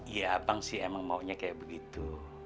ya bang sih emang maunya kayak begitu